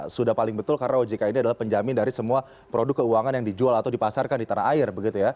sudah paling betul karena ojk ini adalah penjamin dari semua produk keuangan yang dijual atau dipasarkan di tanah air